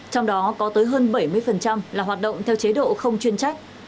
trong đó có tới hơn bảy mươi là hoạt động theo chế độ không chuyên trách